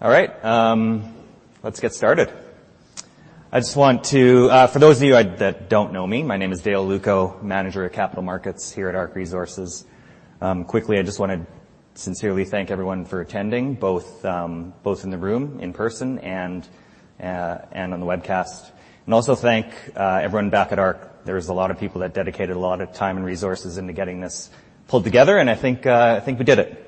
All right, let's get started. I just want to for those of you that don't know me, my name is Dale Lukach, Manager of Capital Markets here at ARC Resources. Quickly, I just want to sincerely thank everyone for attending, both in the room in person and on the webcast. Also thank everyone back at ARC. There's a lot of people that dedicated a lot of time and resources into getting this pulled together, and I think we did it.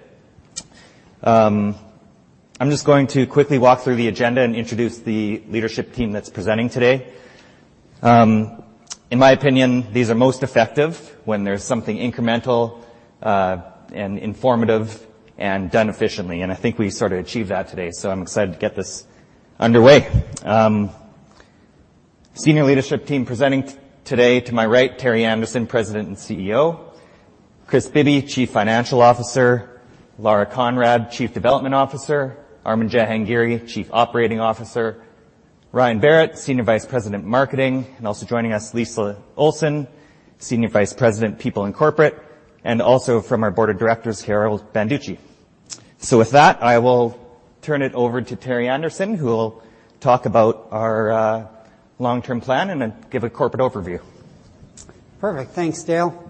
I'm just going to quickly walk through the agenda and introduce the leadership team that's presenting today. In my opinion, these are most effective when there's something incremental and informative and done efficiently, and I think we sort of achieved that today, so I'm excited to get this underway. senior leadership team presenting today, to my right, Terry Anderson, President and CEO; Kris Bibby, Chief Financial Officer; Lara Conrad, Chief Development Officer; Armin Jahangiri, Chief Operating Officer; Ryan Berrett, Senior Vice President, Marketing, and also joining us, Lisa Olsen, Senior Vice President, People and Corporate, and also from our board of directors, Carol Banducci. I will turn it over to Terry Anderson, who will talk about our long-term plan and then give a corporate overview. Perfect. Thanks, Dale.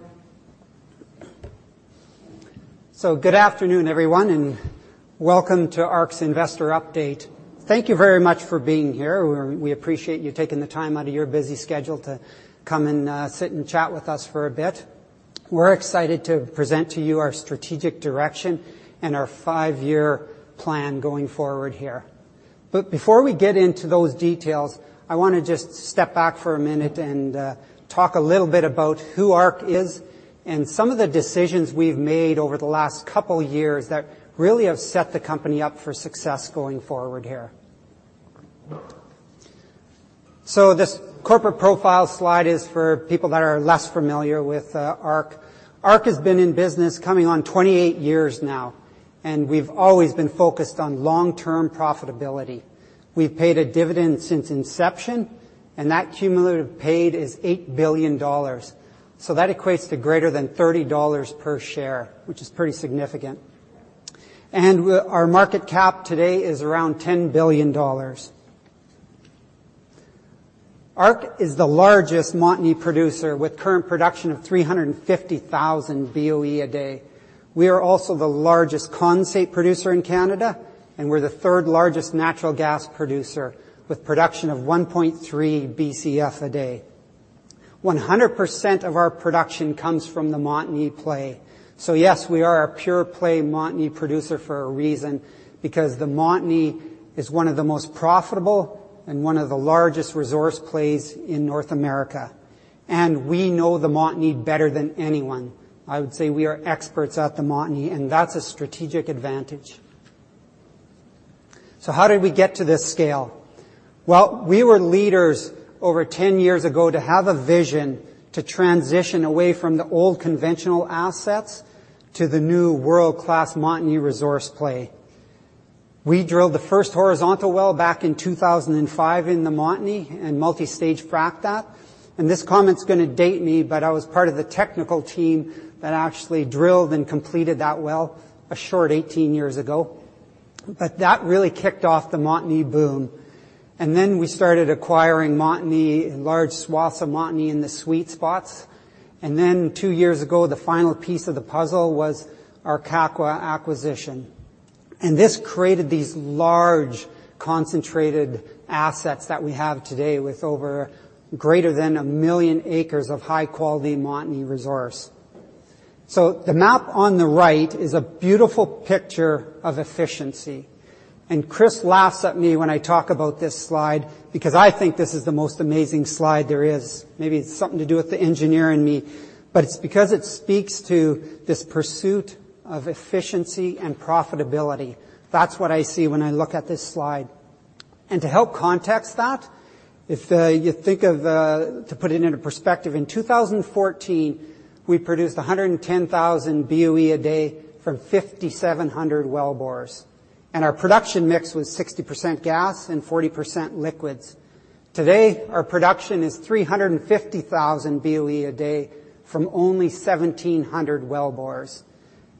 Good afternoon, everyone, and welcome to ARC's Investor Update. Thank you very much for being here. We appreciate you taking the time out of your busy schedule to come and sit and chat with us for a bit. We're excited to present to you our strategic direction and our 5-year plan going forward here. Before we get into those details, I want to just step back for a minute and talk a little bit about who ARC is and some of the decisions we've made over the last couple of years that really have set the company up for success going forward here. This corporate profile slide is for people that are less familiar with ARC. ARC has been in business coming on 28 years now, and we've always been focused on long-term profitability. We've paid a dividend since inception. That cumulative paid is 8 billion dollars. That equates to greater than 30 dollars per share, which is pretty significant. Our market cap today is around 10 billion dollars. ARC is the largest Montney producer, with current production of 350,000 BOE a day. We are also the largest condensate producer in Canada, and we're the third-largest natural gas producer, with production of 1.3 BCF a day. 100% of our production comes from the Montney play. Yes, we are a pure-play Montney producer for a reason, because the Montney is one of the most profitable and one of the largest resource plays in North America. We know the Montney better than anyone. I would say we are experts at the Montney. That's a strategic advantage. How did we get to this scale? Well, we were leaders over 10 years ago to have a vision to transition away from the old conventional assets to the new world-class Montney resource play. We drilled the first horizontal well back in 2005 in the Montney and multi-stage fractured that. This comment's going to date me, but I was part of the technical team that actually drilled and completed that well a short 18 years ago. That really kicked off the Montney boom. Then we started acquiring Montney, large swaths of Montney in the sweet spots. Then two years ago, the final piece of the puzzle was our Kakwa acquisition, and this created these large, concentrated assets that we have today with over greater than 1 million acres of high-quality Montney resource. The map on the right is a beautiful picture of efficiency. Kris laughs at me when I talk about this slide because I think this is the most amazing slide there is. Maybe it's something to do with the engineer in me, but it's because it speaks to this pursuit of efficiency and profitability. That's what I see when I look at this slide. To help context that, if you think of... To put it into perspective, in 2014, we produced 110,000 BOE a day from 5,700 wellbores, and our production mix was 60% gas and 40% liquids. Today, our production is 350,000 BOE a day from only 1,700 wellbores,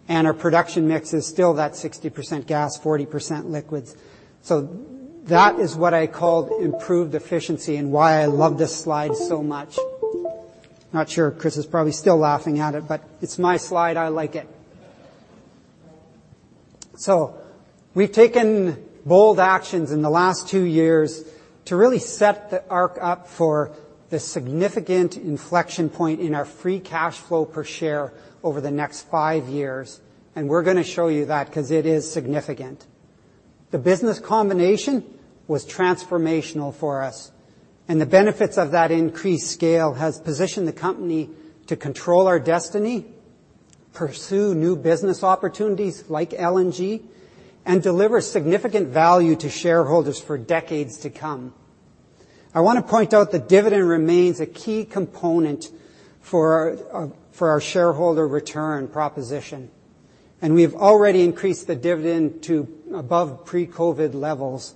and our production mix is still that 60% gas, 40% liquids. That is what I call improved efficiency and why I love this slide so much. Not sure. Kris is probably still laughing at it, but it's my slide. I like it. We've taken bold actions in the last two years to really set the ARC up for the significant inflection point in our free cash flow per share over the next five years, and we're going to show you that because it is significant. The business combination was transformational for us, and the benefits of that increased scale has positioned the company to control our destiny, pursue new business opportunities like LNG, and deliver significant value to shareholders for decades to come. I want to point out the dividend remains a key component for our for our shareholder return proposition, and we've already increased the dividend to above pre-COVID levels.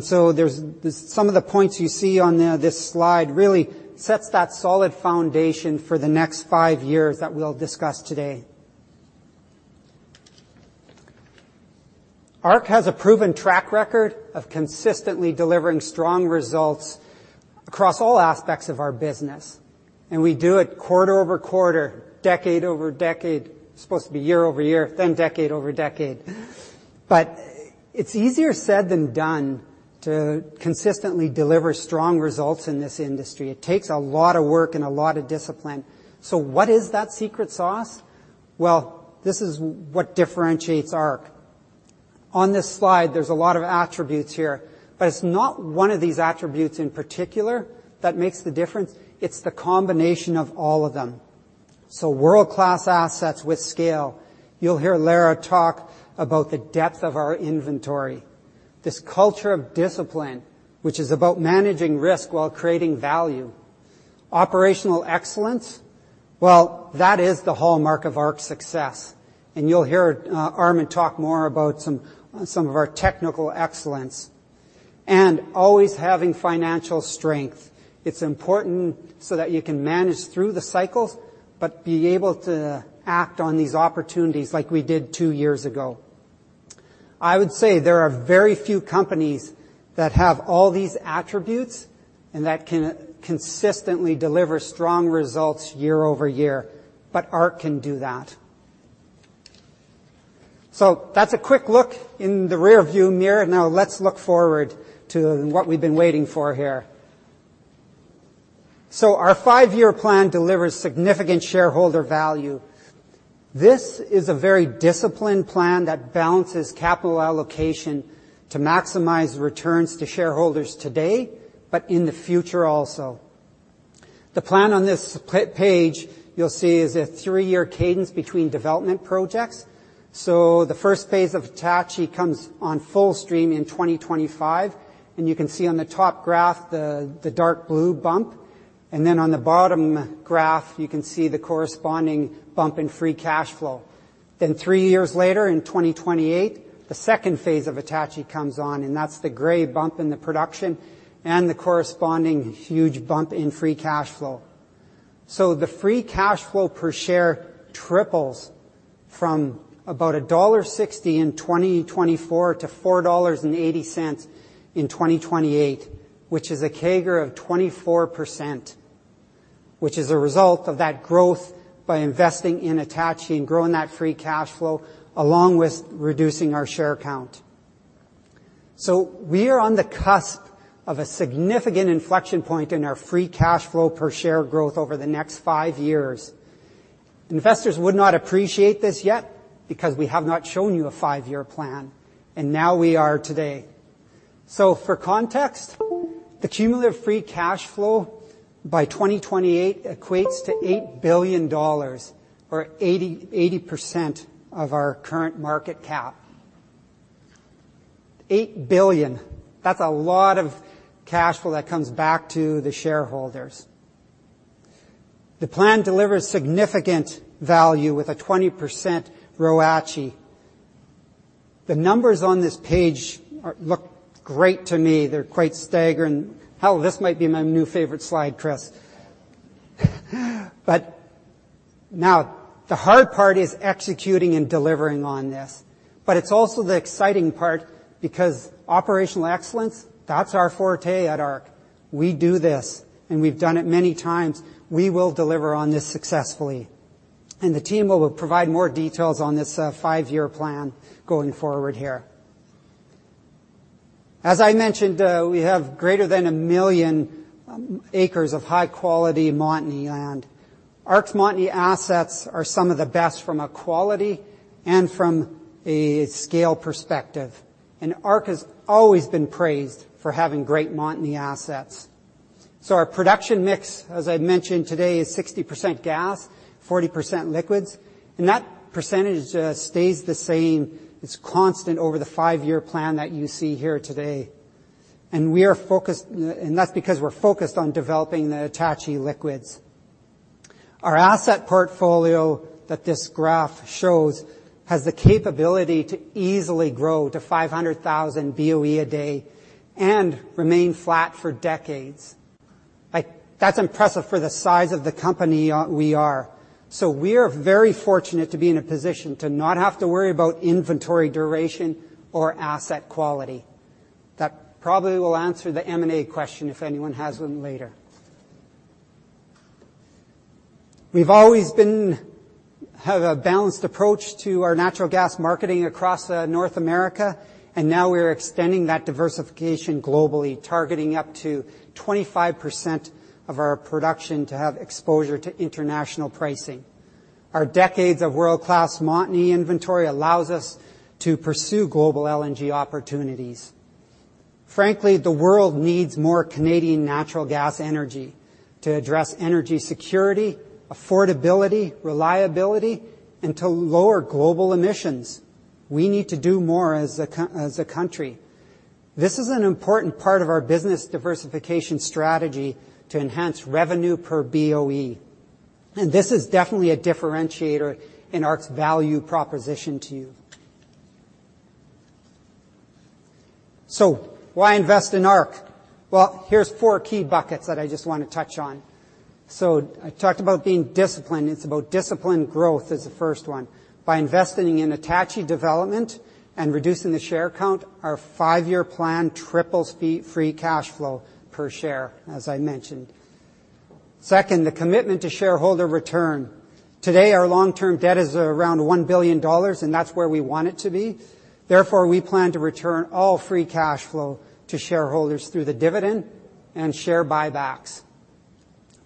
Some of the points you see on this slide really sets that solid foundation for the next five years that we'll discuss today. ARC has a proven track record of consistently delivering strong results across all aspects of our business, and we do it quarter-over-quarter, decade-over-decade. Supposed to be year-over-year, then decade-over-decade. It's easier said than done to consistently deliver strong results in this industry. It takes a lot of work and a lot of discipline. What is that secret sauce? This is what differentiates ARC. On this slide, there's a lot of attributes here, but it's not one of these attributes in particular that makes the difference. It's the combination of all of them. World-class assets with scale. You'll hear Lara talk about the depth of our inventory. This culture of discipline, which is about managing risk while creating value. Operational excellence, well, that is the hallmark of ARC's success, and you'll hear Armin talk more about some of our technical excellence. Always having financial strength. It's important so that you can manage through the cycles, but be able to act on these opportunities like we did two years ago. I would say there are very few companies that have all these attributes and that can consistently deliver strong results year-over-year, but ARC can do that. That's a quick look in the rearview mirror. Now let's look forward to what we've been waiting for here. Our five-year plan delivers significant shareholder value. This is a very disciplined plan that balances capital allocation to maximize returns to shareholders today, but in the future also. The plan on this page, you'll see, is a three-year cadence between development projects. The first phase of Attachie comes on full stream in 2025, and you can see on the top graph, the dark blue bump, and on the bottom graph, you can see the corresponding bump in free cash flow. Three years later, in 2028, the second phase of Attachie comes on, and that's the gray bump in the production and the corresponding huge bump in free cash flow. The free cash flow per share triples from about $1.60 in 2024 to $4.80 in 2028, which is a CAGR of 24%, which is a result of that growth by investing in Attachie and growing that free cash flow, along with reducing our share count. We are on the cusp of a significant inflection point in our free cash flow per share growth over the next 5 years. Investors would not appreciate this yet because we have not shown you a 5-year plan, and now we are today. For context, the cumulative free cash flow by 2028 equates to CAD 8 billion or 80% of our current market cap. 8 billion, that's a lot of cash flow that comes back to the shareholders. The plan delivers significant value with a 20% ROACE. The numbers on this page look great to me. They're quite staggering. Hell, this might be my new favorite slide, Kris. Now the hard part is executing and delivering on this, but it's also the exciting part because operational excellence, that's our forte at ARC. We do this, and we've done it many times. We will deliver on this successfully. The team will provide more details on this, 5-year plan going forward here. As I mentioned, we have greater than 1 million acres of high-quality Montney land. ARC's Montney assets are some of the best from a quality and from a scale perspective. ARC has always been praised for having great Montney assets. Our production mix, as I mentioned today, is 60% gas, 40% liquids. That percentage stays the same. It's constant over the five-year plan that you see here today. We are focused, and that's because we're focused on developing the Attachie liquids. Our asset portfolio that this graph shows has the capability to easily grow to 500,000 BOE a day and remain flat for decades. Like, that's impressive for the size of the company, we are. We are very fortunate to be in a position to not have to worry about inventory duration or asset quality. That probably will answer the M&A question if anyone has one later. We've always been have a balanced approach to our natural gas marketing across North America, and now we're extending that diversification globally, targeting up to 25% of our production to have exposure to international pricing. Our decades of world-class Montney inventory allows us to pursue global LNG opportunities. Frankly, the world needs more Canadian natural gas energy to address energy security, affordability, reliability, and to lower global emissions. We need to do more as a country. This is an important part of our business diversification strategy to enhance revenue per BOE. This is definitely a differentiator in ARC's value proposition to you. Why invest in ARC? Here's four key buckets that I just want to touch on. I talked about being disciplined. It's about disciplined growth is the first one. By investing in Attachie development and reducing the share count, our 5-year plan triples free cash flow per share, as I mentioned. Second, the commitment to shareholder return. Today, our long-term debt is around $1 billion, and that's where we want it to be. We plan to return all free cash flow to shareholders through the dividend and share buybacks.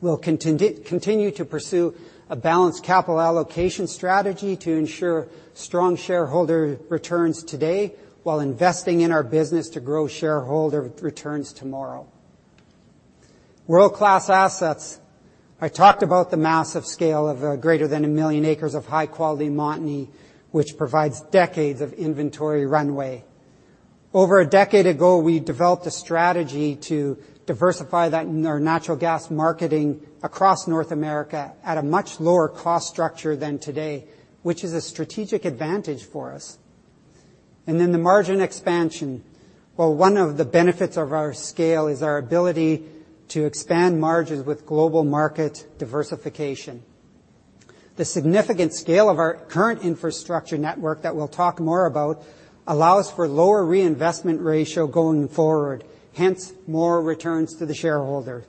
We'll continue to pursue a balanced capital allocation strategy to ensure strong shareholder returns today, while investing in our business to grow shareholder returns tomorrow. World-class assets. I talked about the massive scale of greater than 1 million acres of high-quality Montney, which provides decades of inventory runway. Over a decade ago, we developed a strategy to diversify that in our natural gas marketing across North America at a much lower cost structure than today, which is a strategic advantage for us. The margin expansion. Well, one of the benefits of our scale is our ability to expand margins with global market diversification. The significant scale of our current infrastructure network, that we'll talk more about, allows for lower reinvestment rate going forward, hence more returns to the shareholder.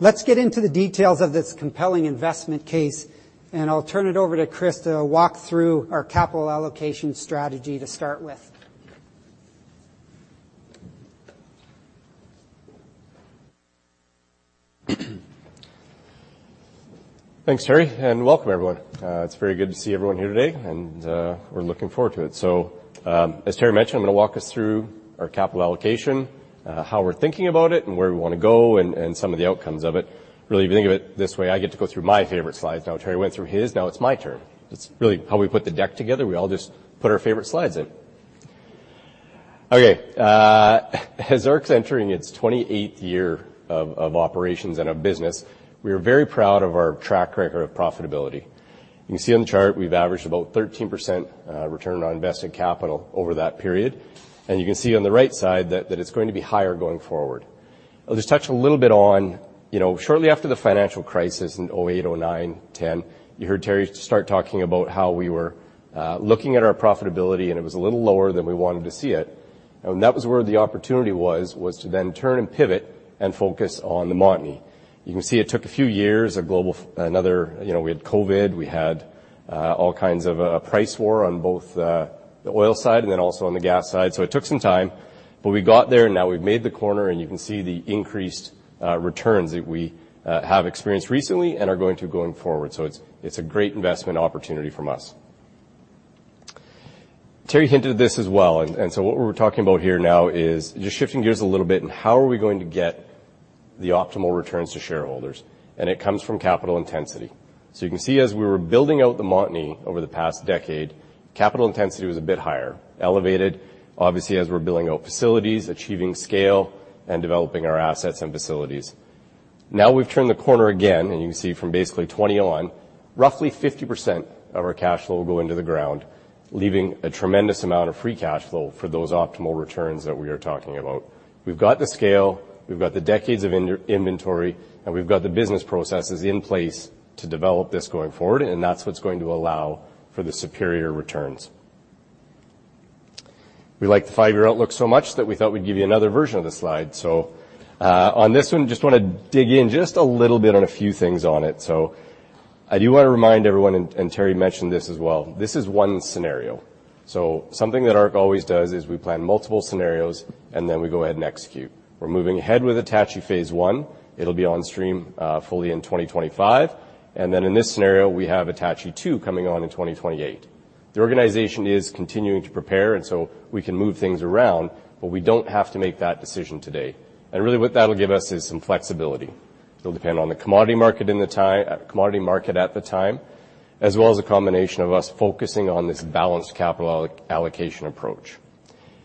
Let's get into the details of this compelling investment case, and I'll turn it over to Kris to walk through our capital allocation strategy to start with. Thanks, Terry, and welcome, everyone. It's very good to see everyone here today, and we're looking forward to it. As Terry mentioned, I'm gonna walk us through our capital allocation, how we're thinking about it and where we wanna go, and some of the outcomes of it. Really, if you think of it this way, I get to go through my favorite slides. Terry went through his, now it's my turn. It's really how we put the deck together. We all just put our favorite slides in. As ARC's entering its 28th year of operations and of business, we are very proud of our track record of profitability. You can see on the chart, we've averaged about 13% return on invested capital over that period, and you can see on the right side that it's going to be higher going forward. I'll just touch a little bit on. You know, shortly after the financial crisis in 2008, 2009, 2010, you heard Terry start talking about how we were looking at our profitability, and it was a little lower than we wanted to see it. That was where the opportunity was to then turn and pivot and focus on the Montney. You can see it took a few years, a global. Another, you know, we had COVID. We had all kinds of a price war on both the oil side and then also on the gas side. It took some time, but we got there, and now we've made the corner, and you can see the increased returns that we have experienced recently and are going forward. It's a great investment opportunity from us. Terry hinted at this as well, and what we're talking about here now is just shifting gears a little bit on how are we going to get the optimal returns to shareholders, and it comes from capital intensity. You can see as we were building out the Montney over the past decade, capital intensity was a bit higher, elevated, obviously, as we're building out facilities, achieving scale, and developing our assets and facilities. We've turned the corner again, and you can see from basically 2021, roughly 50% of our cash flow will go into the ground, leaving a tremendous amount of free cash flow for those optimal returns that we are talking about. We've got the scale, we've got the decades of inventory, and we've got the business processes in place to develop this going forward, and that's what's going to allow for the superior returns. We like the five-year outlook so much that we thought we'd give you another version of this slide. On this one, just wanna dig in just a little bit on a few things on it. I do wanna remind everyone, and Terry mentioned this as well, this is one scenario. Something that ARC always does is we plan multiple scenarios, and then we go ahead and execute. We're moving ahead with Attachie Phase I. It'll be on stream, fully in 2025. In this scenario, we have Attachie Phase II coming on in 2028. The organization is continuing to prepare. We can move things around, but we don't have to make that decision today. Really, what that'll give us is some flexibility. It'll depend on the commodity market at the time, as well as a combination of us focusing on this balanced capital allocation approach.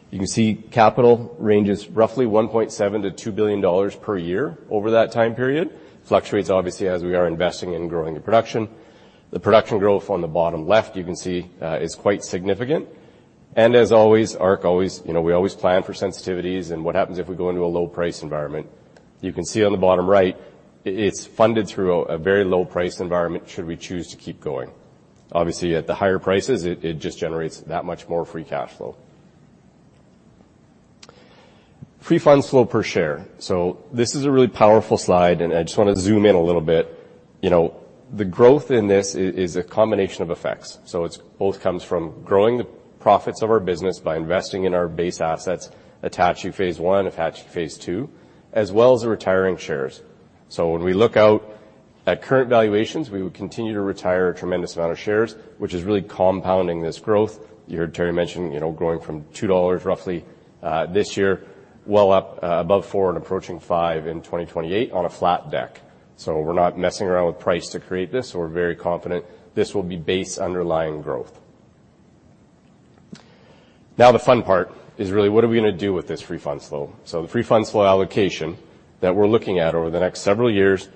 You can see capital ranges roughly 1.7 billion-2 billion dollars per year over that time period. Fluctuates, obviously, as we are investing in growing the production. The production growth on the bottom left, you can see, is quite significant. As always, ARC always, you know, we always plan for sensitivities and what happens if we go into a low price environment. You can see on the bottom right, it's funded through a very low price environment should we choose to keep going. Obviously, at the higher prices, it just generates that much more free cash flow. Free funds flow per share. This is a really powerful slide, and I just wanna zoom in a little bit. You know, the growth in this is a combination of effects. It's both comes from growing the profits of our business by investing in our base assets, Attachie Phase I and Attachie Phase II, as well as the retiring shares. When we look out at current valuations, we would continue to retire a tremendous amount of shares, which is really compounding this growth. You heard Terry mention, you know, growing from $2 roughly this year, well up above four and approaching five in 2028 on a flat deck. We're not messing around with price to create this. We're very confident this will be base underlying growth. Now the fun part is really what are we going to do with this free funds flow? The free funds flow allocation that we're looking at over the next several years,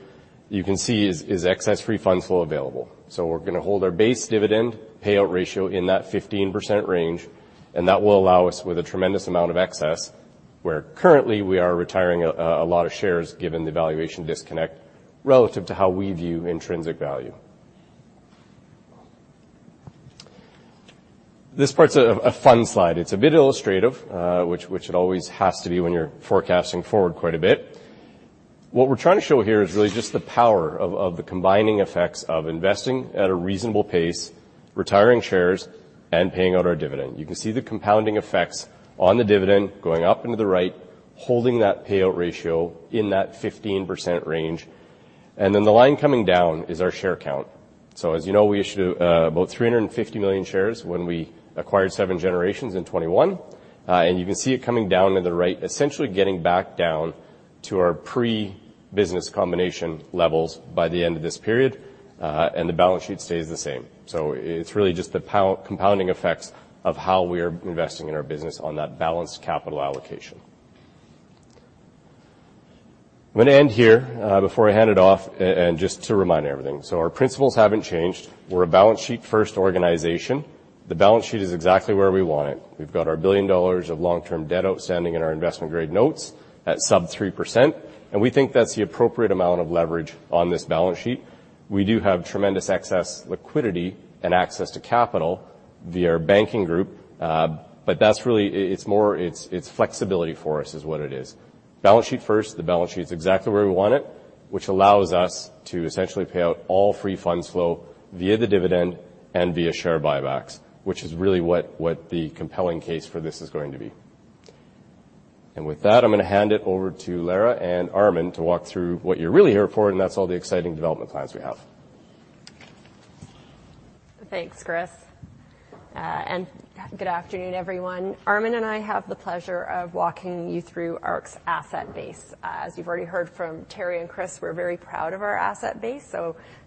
you can see is excess free funds flow available. We're going to hold our base dividend payout ratio in that 15% range, and that will allow us with a tremendous amount of excess, where currently we are retiring a lot of shares given the valuation disconnect relative to how we view intrinsic value. This part's a fun slide. It's a bit illustrative, which it always has to be when you're forecasting forward quite a bit. What we're trying to show here is really just the power of the combining effects of investing at a reasonable pace, retiring shares, and paying out our dividend. You can see the compounding effects on the dividend going up into the right, holding that payout ratio in that 15% range. The line coming down is our share count. As you know, we issued about 350 million shares when we acquired Seven Generations in 2021. You can see it coming down to the right, essentially getting back down to our pre-business combination levels by the end of this period, and the balance sheet stays the same. It's really just the compounding effects of how we are investing in our business on that balanced capital allocation. I'm gonna end here before I hand it off and just to remind everything. Our principles haven't changed. We're a balance sheet-first organization. The balance sheet is exactly where we want it. We've got our 1 billion dollars of long-term debt outstanding in our investment-grade notes at sub 3%, and we think that's the appropriate amount of leverage on this balance sheet. We do have tremendous excess liquidity and access to capital via our banking group, but that's really. It's more, it's flexibility for us, is what it is. Balance sheet first, the balance sheet is exactly where we want it, which allows us to essentially pay out all free funds flow via the dividend and via share buybacks, which is really what the compelling case for this is going to be. With that, I'm going to hand it over to Lara and Armin to walk through what you're really here for, and that's all the exciting development plans we have. Thanks, Kris, good afternoon, everyone. Armin and I have the pleasure of walking you through ARC's asset base. As you've already heard from Terry and Kris, we're very proud of our asset base,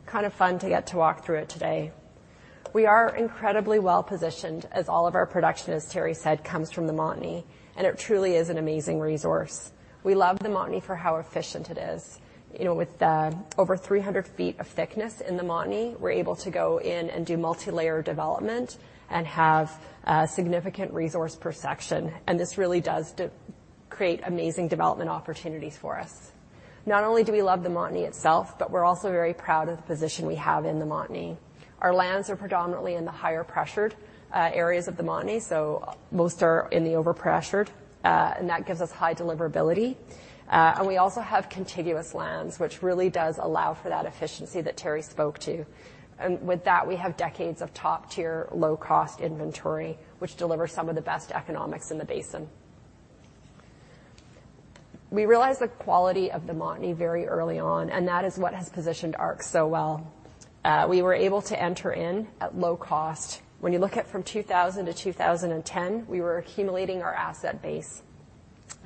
kind of fun to get to walk through it today. We are incredibly well-positioned, as all of our production, as Terry said, comes from the Montney. It truly is an amazing resource. We love the Montney for how efficient it is. You know, with the over 300 feet of thickness in the Montney, we're able to go in and do multilayer development and have a significant resource per section. This really does create amazing development opportunities for us. Not only do we love the Montney itself, we're also very proud of the position we have in the Montney. Our lands are predominantly in the higher pressured areas of the Montney, so most are in the overpressured, and that gives us high deliverability. With that, we also have contiguous lands, which really does allow for that efficiency that Terry spoke to. With that, we have decades of top-tier, low-cost inventory, which delivers some of the best economics in the basin. We realized the quality of the Montney very early on, and that is what has positioned ARC so well. We were able to enter in at low cost. When you look at from 2000 to 2010, we were accumulating our asset base.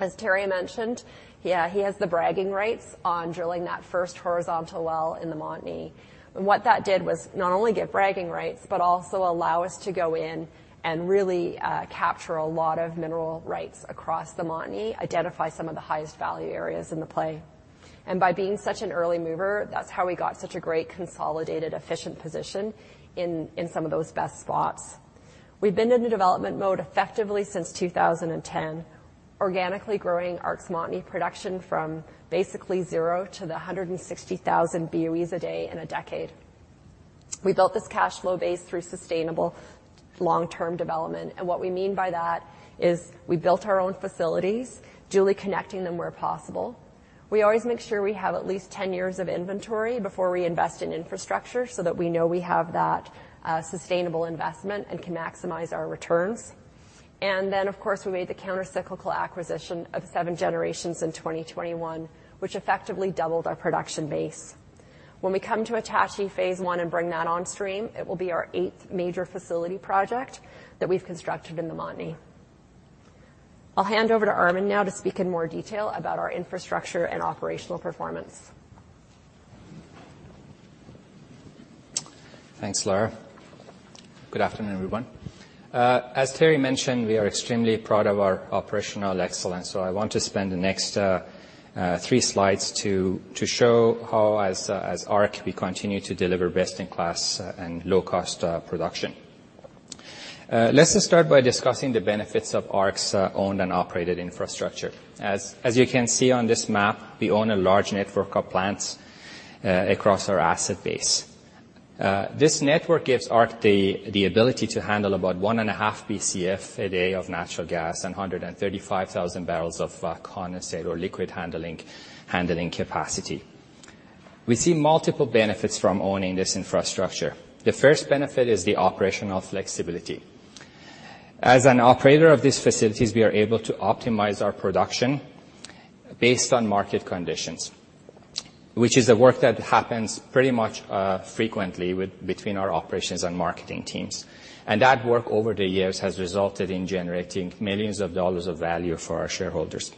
As Terry mentioned, yeah, he has the bragging rights on drilling that first horizontal well in the Montney. What that did was not only get bragging rights but also allow us to go in and really capture a lot of mineral rights across the Montney, identify some of the highest value areas in the play. By being such an early mover, that's how we got such a great, consolidated, efficient position in some of those best spots. We've been in the development mode effectively since 2010, organically growing ARC's Montney production from basically zero to the 160,000 BOEs a day in a decade. We built this cash flow base through sustainable long-term development, and what we mean by that is we built our own facilities, duly connecting them where possible. We always make sure we have at least 10 years of inventory before we invest in infrastructure so that we know we have that sustainable investment and can maximize our returns. Of course, we made the countercyclical acquisition of Seven Generations in 2021, which effectively doubled our production base. When we come to Attachie Phase I and bring that on stream, it will be our eighth major facility project that we've constructed in the Montney. I'll hand over to Armin now to speak in more detail about our infrastructure and operational performance. Thanks, Lara. Good afternoon, everyone. As Terry mentioned, we are extremely proud of our operational excellence, so I want to spend the next three slides to show how as ARC, we continue to deliver best-in-class and low-cost production. Let's just start by discussing the benefits of ARC's owned and operated infrastructure. As you can see on this map, we own a large network of plants across our asset base. This network gives ARC the ability to handle about 1.5 BCF a day of natural gas and 135,000 barrels of condensate or liquid handling capacity. We see multiple benefits from owning this infrastructure. The first benefit is the operational flexibility. As an operator of these facilities, we are able to optimize our production based on market conditions, which is the work that happens pretty much, frequently between our operations and marketing teams. That work over the years has resulted in generating millions of dollars of value for our shareholders.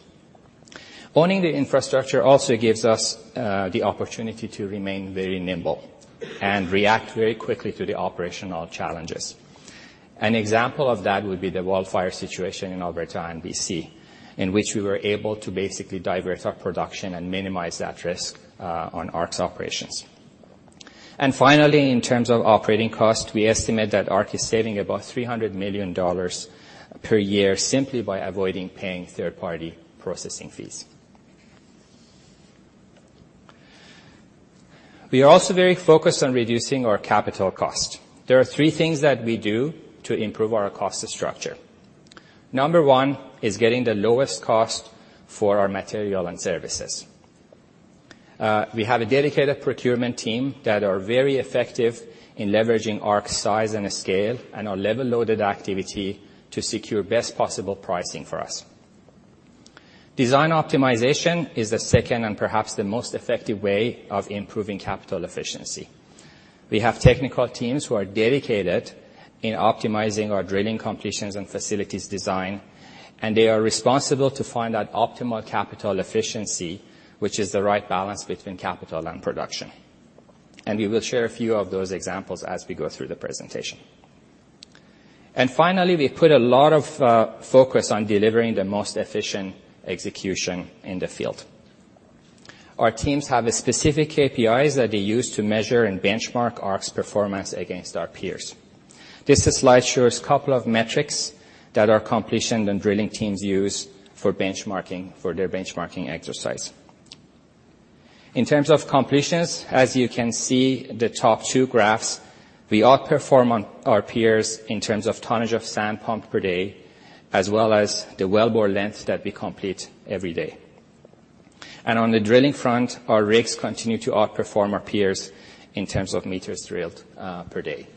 Owning the infrastructure also gives us the opportunity to remain very nimble and react very quickly to the operational challenges. An example of that would be the wildfire situation in Alberta and BC, in which we were able to basically divert our production and minimize that risk on ARC's operations. Finally, in terms of operating costs, we estimate that ARC is saving about 300 million dollars per year simply by avoiding paying third-party processing fees. We are also very focused on reducing our capital cost. There are three things that we do to improve our cost structure. Number one is getting the lowest cost for our material and services. We have a dedicated procurement team that are very effective in leveraging ARC's size and scale, and our level-loaded activity to secure best possible pricing for us. Design optimization is the second and perhaps the most effective way of improving capital efficiency. We have technical teams who are dedicated in optimizing our drilling completions and facilities design. They are responsible to find that optimal capital efficiency, which is the right balance between capital and production. We will share a few of those examples as we go through the presentation. Finally, we put a lot of focus on delivering the most efficient execution in the field. Our teams have specific KPIs that they use to measure and benchmark ARC's performance against our peers. This slide shows a couple of metrics that our completion and drilling teams use for their benchmarking exercise. In terms of completions, as you can see, the top two graphs, we outperform on our peers in terms of tonnage of sand pumped per day, as well as the wellbore length that we complete every day. On the drilling front, our rigs continue to outperform our peers in terms of meters drilled per day.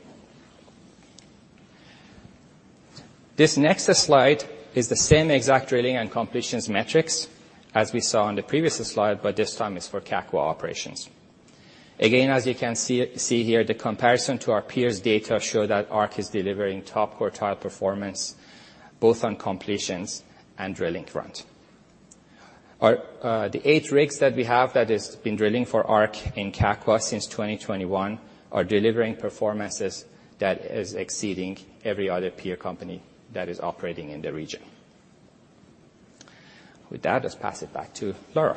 This next slide is the same exact drilling and completions metrics as we saw on the previous slide, but this time it's for Kakwa operations. Again, as you can see here, the comparison to our peers' data show that ARC is delivering top quartile performance, both on completions and drilling front. Our the eight rigs that we have that has been drilling for ARC in Kakwa since 2021 are delivering performances that is exceeding every other peer company that is operating in the region. With that, let's pass it back to Lara.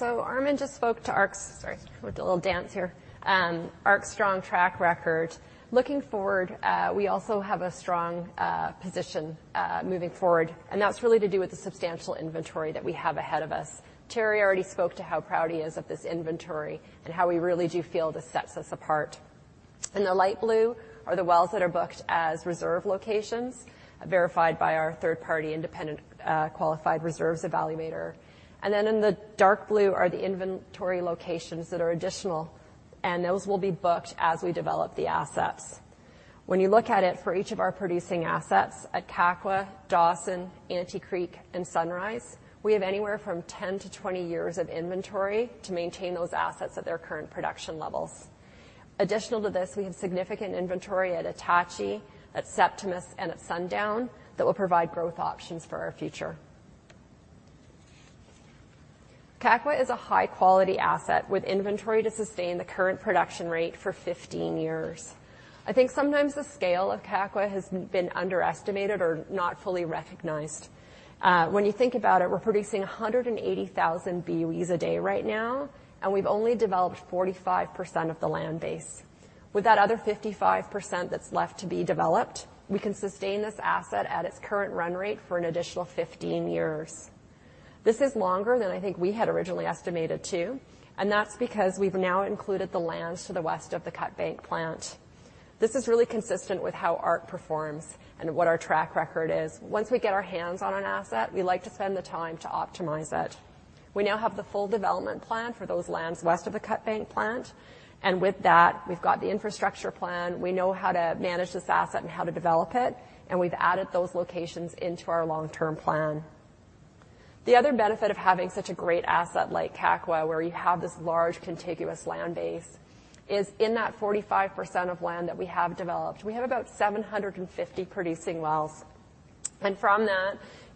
Armin just spoke to ARC's... Sorry, with a little dance here. ARC's strong track record. Looking forward, we also have a strong position moving forward, and that's really to do with the substantial inventory that we have ahead of us. Terry already spoke to how proud he is of this inventory and how we really do feel this sets us apart. In the light blue are the wells that are booked as reserve locations, verified by our third-party independent qualified reserves evaluator. In the dark blue are the inventory locations that are additional, and those will be booked as we develop the assets. When you look at it, for each of our producing assets at Kakwa, Dawson, Ante Creek and Sunrise, we have anywhere from 10 to 20 years of inventory to maintain those assets at their current production levels. Additional to this, we have significant inventory at Attachie, at Septimus, and at Sundown that will provide growth options for our future. Kakwa is a high-quality asset with inventory to sustain the current production rate for 15 years. I think sometimes the scale of Kakwa has been underestimated or not fully recognized. When you think about it, we're producing 180,000 BOEs a day right now, and we've only developed 45% of the land base. With that other 55% that's left to be developed, we can sustain this asset at its current run rate for an additional 15 years. This is longer than I think we had originally estimated, too, and that's because we've now included the lands to the west of the Cutbank Once we get our hands on an asset, we like to spend the time to optimize it. We now have the full development plan for those lands west of the Cutbank From that,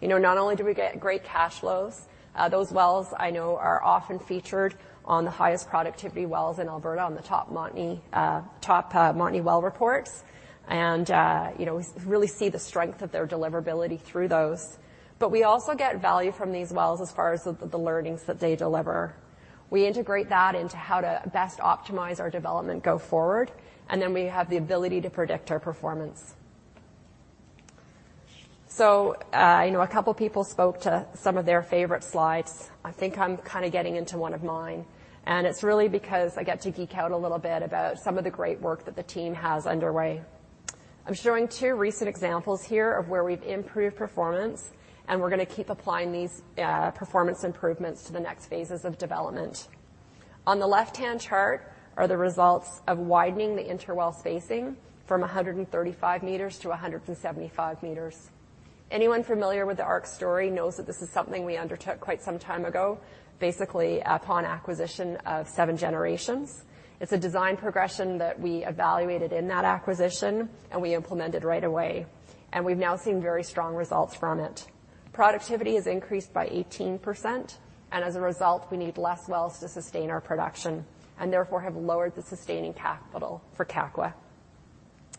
you know, not only do we get great cash flows, those wells I know are often featured on the highest productivity wells in Alberta, on the top Montney Well reports, you know, we really see the strength of their deliverability through those. We also get value from these wells as far as the learnings that they deliver. We integrate that into how to best optimize our development go forward. We have the ability to predict our performance. I know a couple people spoke to some of their favorite slides. I think I'm kind of getting into one of mine, and it's really because I get to geek out a little bit about some of the great work that the team has underway. I'm showing 2 recent examples here of where we've improved performance. We're gonna keep applying these performance improvements to the next phases of development. On the left-hand chart are the results of widening the inter-well spacing from 135 m to 175 m. Anyone familiar with the ARC story knows that this is something we undertook quite some time ago, basically upon acquisition of Seven Generations. It's a design progression that we evaluated in that acquisition. We implemented right away, and we've now seen very strong results from it. Productivity has increased by 18%. As a result, we need less wells to sustain our production and therefore have lowered the sustaining capital for Kakwa.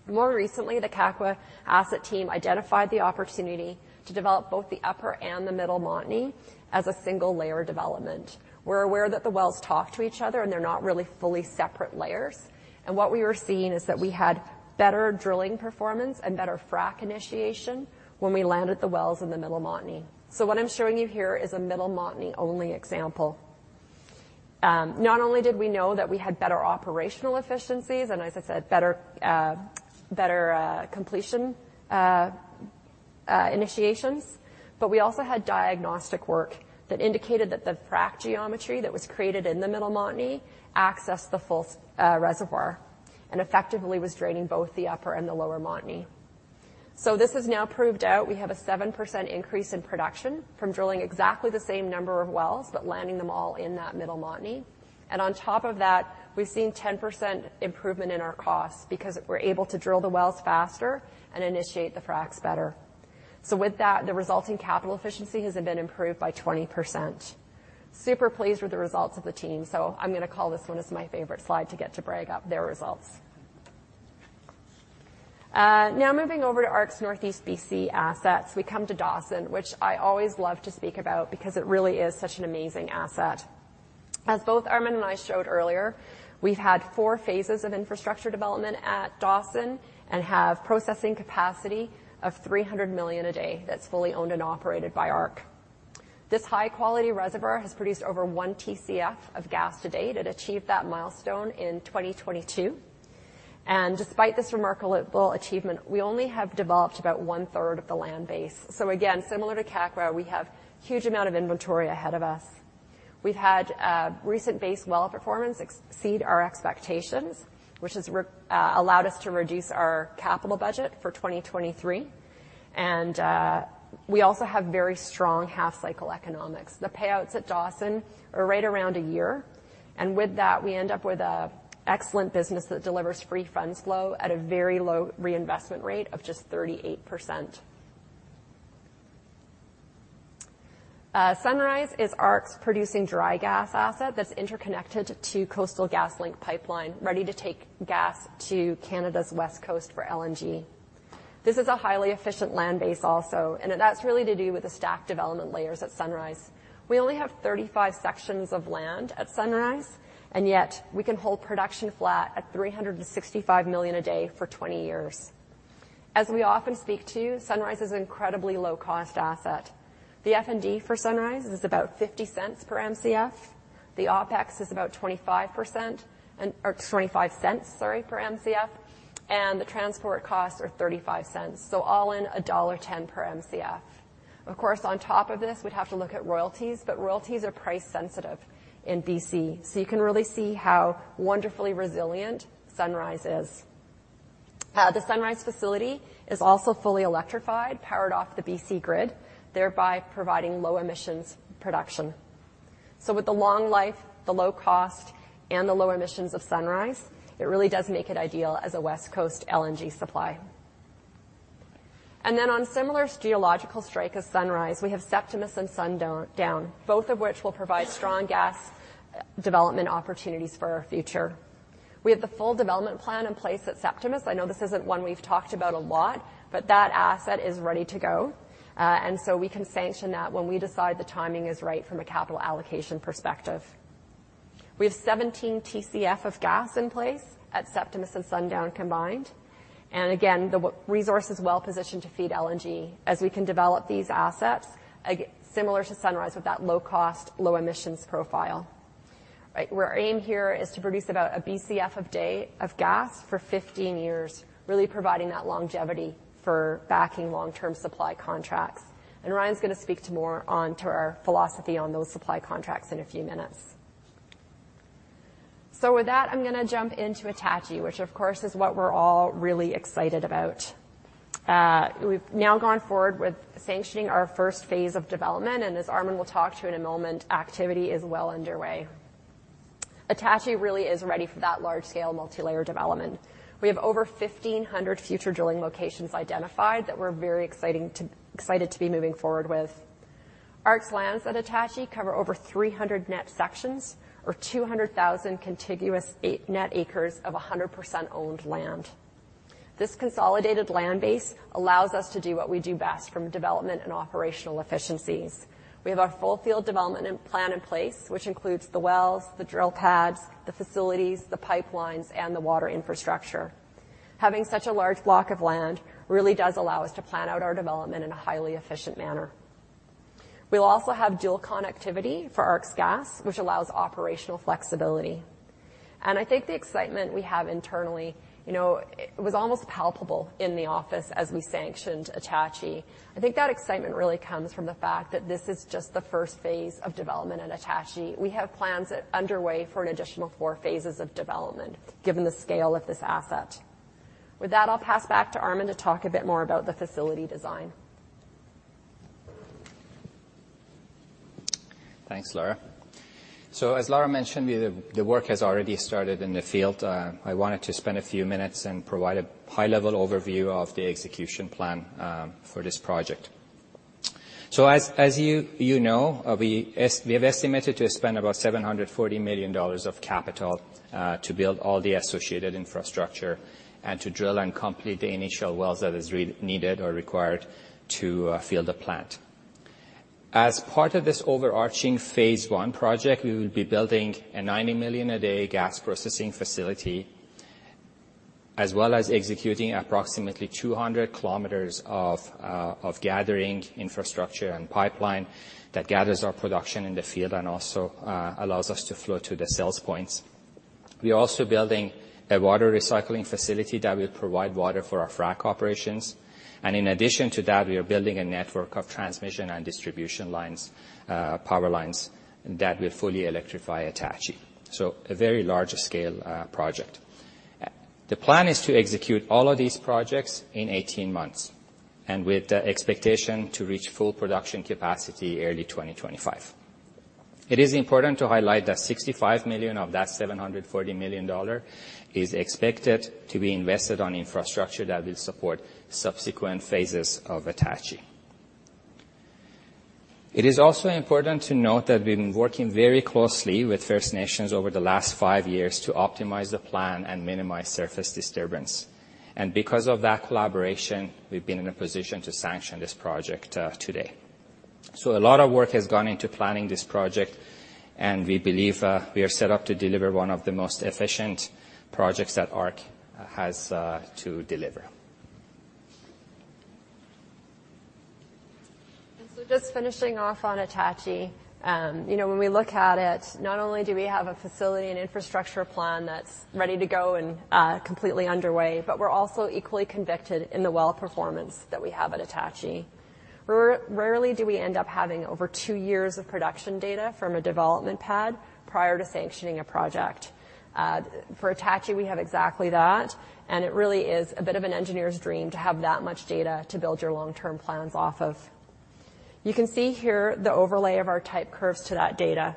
More recently, the Kakwa asset team identified the opportunity to develop both the upper Montney and the middle Montney as a single-layer development. We're aware that the wells talk to each other, and they're not really fully separate layers, and what we were seeing is that we had better drilling performance and better frack initiation when we landed the wells in the middle Montney. What I'm showing you here is a middle Montney-only example. Not only did we know that we had better operational efficiencies, and as I said, better completion initiations, but we also had diagnostic work that indicated that the frack geometry that was created in the middle Montney accessed the full reservoir and effectively was draining both the upper and the lower Montney. This is now proved out. We have a 7% increase in production from drilling exactly the same number of wells, but landing them all in that middle Montney. On top of that, we've seen 10% improvement in our costs because we're able to drill the wells faster and initiate the fracs better. With that, the resulting capital efficiency has been improved by 20%. Super pleased with the results of the team, so I'm gonna call this one as my favorite slide to get to brag up their results. Now moving over to ARC's Northeast BC assets, we come to Dawson, which I always love to speak about because it really is such an amazing asset. As both Armin and I showed earlier, we've had four phases of infrastructure development at Dawson and have processing capacity of 300 million a day that's fully owned and operated by ARC. This high-quality reservoir has produced over 1 TCF of gas to date. It achieved that milestone in 2022. Despite this remarkable achievement, we only have developed about one-third of the land base. Again, similar to Kakwa, we have huge amount of inventory ahead of us. We've had recent base well performance exceed our expectations, which has allowed us to reduce our capital budget for 2023. We also have very strong half-cycle economics. The payouts at Dawson are right around 1 year, and with that, we end up with a excellent business that delivers free funds flow at a very low reinvestment rate of just 38%. Sunrise is ARC's producing dry gas asset that's interconnected to Coastal GasLink pipeline, ready to take gas to Canada's west coast for LNG. This is a highly efficient land base also, and that's really to do with the stacked development layers at Sunrise. We only have 35 sections of land at Sunrise. Yet we can hold production flat at 365 million a day for 20 years. As we often speak to, Sunrise is an incredibly low-cost asset. The F&D for Sunrise is about 0.50 per Mcf, the OpEx is about 0.25, sorry, per Mcf, and the transport costs are 0.35. All in, dollar 1.10 per Mcf. Of course, on top of this, we'd have to look at royalties. Royalties are price sensitive in BC. You can really see how wonderfully resilient Sunrise is. The Sunrise facility is also fully electrified, powered off the BC grid, thereby providing low emissions production. With the long life, the low cost, and the low emissions of Sunrise, it really does make it ideal as a West Coast LNG supply. On similar geological strike as Sunrise, we have Septimus and Sundown, both of which will provide strong gas development opportunities for our future. We have the full development plan in place at Septimus. I know this isn't one we've talked about a lot, but that asset is ready to go. So we can sanction that when we decide the timing is right from a capital allocation perspective. We have 17 TCF of gas in place at Septimus and Sundown combined. Again, the resource is well positioned to feed LNG as we can develop these assets, similar to Sunrise, with that low cost, low emissions profile. Our aim here is to produce about 1 BCF of gas for 15 years, really providing that longevity for backing long-term supply contracts. Ryan's going to speak to more on to our philosophy on those supply contracts in a few minutes. With that, I'm going to jump into Attachie, which of course, is what we're all really excited about. We've now gone forward with sanctioning our first phase of development, and as Armin will talk to in a moment, activity is well underway. Attachie really is ready for that large-scale multilayer development. We have over 1,500 future drilling locations identified that we're very excited to be moving forward with. ARC's lands at Attachie cover over 300 net sections or 200,000 contiguous eight net acres of 100% owned land. This consolidated land base allows us to do what we do best from development and operational efficiencies. We have a full field development in plan in place, which includes the wells, the drill pads, the facilities, the pipelines, and the water infrastructure. Having such a large block of land really does allow us to plan out our development in a highly efficient manner. We'll also have dual connectivity for ARC's gas, which allows operational flexibility. I think the excitement we have internally, you know, it was almost palpable in the office as we sanctioned Attachie. I think that excitement really comes from the fact that this is just the first phase of development at Attachie. We have plans underway for an additional four phases of development, given the scale of this asset. With that, I'll pass back to Armin to talk a bit more about the facility design. Thanks, Lara. As Lara mentioned, the work has already started in the field. I wanted to spend a few minutes and provide a high-level overview of the execution plan for this project. As you know, we have estimated to spend about 740 million dollars of capital to build all the associated infrastructure and to drill and complete the initial wells that is needed or required to field the plant. As part of this overarching Phase I project, we will be building a 90 million a day gas processing facility, as well as executing approximately 200 kilometers of gathering infrastructure and pipeline that gathers our production in the field and also allows us to flow to the sales points. We are also building a water recycling facility that will provide water for our frack operations. In addition to that, we are building a network of transmission and distribution lines, power lines, that will fully electrify Attachie. A very large-scale project. The plan is to execute all of these projects in 18 months, with the expectation to reach full production capacity early 2025. It is important to highlight that 65 million of that 740 million dollar is expected to be invested on infrastructure that will support subsequent phases of Attachie. It is also important to note that we've been working very closely with First Nations over the last five years to optimize the plan and minimize surface disturbance. Because of that collaboration, we've been in a position to sanction this project today. A lot of work has gone into planning this project, and we believe, we are set up to deliver one of the most efficient projects that ARC has to deliver. Just finishing off on Attachie, you know, when we look at it, not only do we have a facility and infrastructure plan that's ready to go and completely underway, but we're also equally convicted in the well performance that we have at Attachie. Rarely do we end up having over two years of production data from a development pad prior to sanctioning a project. For Attachie, we have exactly that, and it really is a bit of an engineer's dream to have that much data to build your long-term plans off of. You can see here the overlay of our type curves to that data,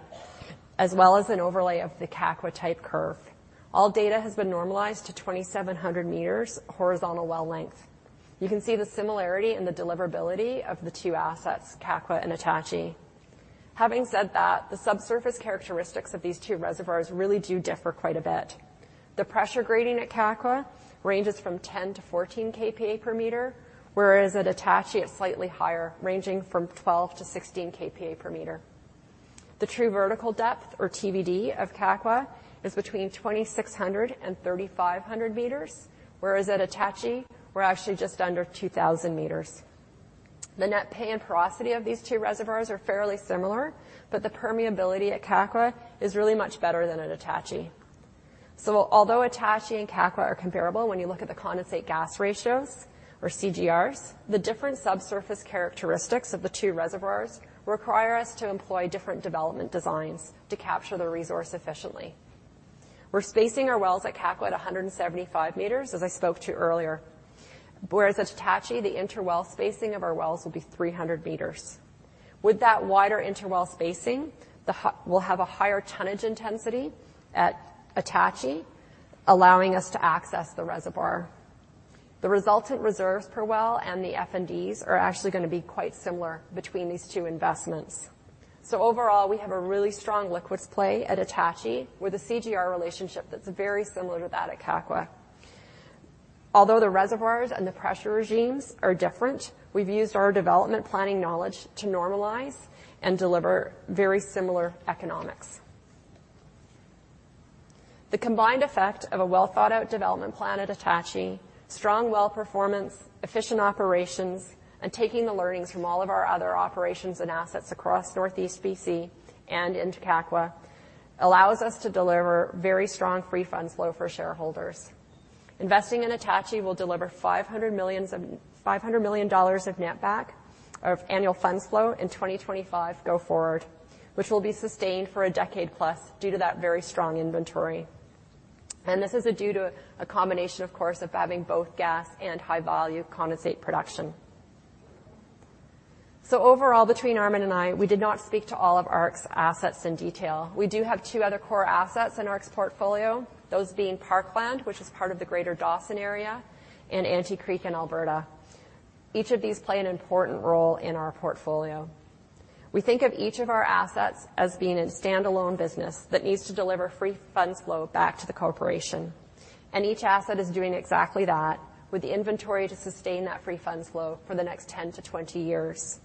as well as an overlay of the Kakwa type curve. All data has been normalized to 2,700 meters horizontal well length. You can see the similarity in the deliverability of the two assets, Kakwa and Attachie. Having said that, the subsurface characteristics of these two reservoirs really do differ quite a bit. The pressure grading at Kakwa ranges from 10-14 kPa/m, whereas at Attachie, it's slightly higher, ranging from 12-16 kPa/m. The true vertical depth, or TVD, of Kakwa is between 2,600 and 3,500 meters, whereas at Attachie, we're actually just under 2,000 meters. The net pay and porosity of these two reservoirs are fairly similar, but the permeability at Kakwa is really much better than at Attachie. Although Attachie and Kakwa are comparable, when you look at the condensate gas ratios or CGRs, the different subsurface characteristics of the two reservoirs require us to employ different development designs to capture the resource efficiently. We're spacing our wells at Kakwa at 175 meters, as I spoke to earlier, whereas at Attachie, the inter-well spacing of our wells will be 300 meters. With that wider inter-well spacing, We'll have a higher tonnage intensity at Attachie, allowing us to access the reservoir. The resultant reserves per well, and the F&Ds are actually gonna be quite similar between these two investments. Overall, we have a really strong liquids play at Attachie, with a CGR relationship that's very similar to that at Kakwa. Although the reservoirs and the pressure regimes are different, we've used our development planning knowledge to normalize and deliver very similar economics. The combined effect of a well-thought-out development plan at Attachie, strong well performance, efficient operations, and taking the learnings from all of our other operations and assets across northeast BC and into Kakwa, allows us to deliver very strong free funds flow for shareholders. Investing in Attachie will deliver 500 million dollars of netback of annual funds flow in 2025 go forward, which will be sustained for a decade+ due to that very strong inventory. This is due to a combination, of course, of having both gas and high-value condensate production. Overall, between Armin and I, we did not speak to all of ARC's assets in detail. We do have two other core assets in ARC's portfolio, those being Parkland, which is part of the greater Dawson area, and Ante Creek in Alberta. Each of these play an important role in our portfolio. We think of each of our assets as being a standalone business that needs to deliver free funds flow back to the corporation. Each asset is doing exactly that, with the inventory to sustain that free funds flow for the next 10-20 years.